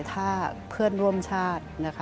ถ้าเพื่อนร่วมชาตินะคะ